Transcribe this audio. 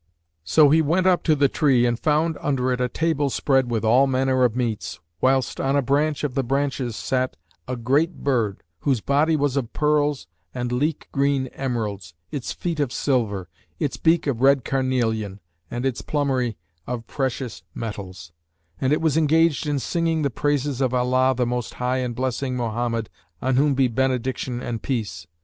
So he went up to the tree and found under it a table spread with all manner meats, whilst on a branch of the branches sat a great bird, whose body was of pearls and leek green emeralds, its feet of silver, its beak of red carnelian and its plumery of precious metals; and it was engaged in singing the praises of Allah the Most High and blessing Mohammed (on whom be benediction and peace!)"